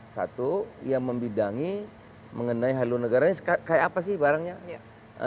satu yang membidangi mengenai haluan negara ini kayak apa sih barangnya